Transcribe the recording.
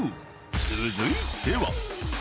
［続いては］